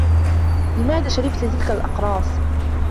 لماذا شربت تلك الأقراص؟